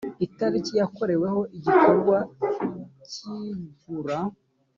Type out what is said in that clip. i itariki yakoreweho igikorwa cy igura